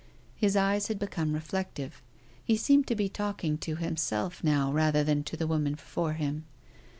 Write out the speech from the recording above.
His eyes had become reflective. He seemed to be talking to himself now rather than to the woman before him.